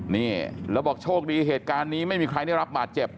นี่แล้วบอกโชคดีเหตุการณ์นี้ไม่มีใครได้รับบาดเจ็บ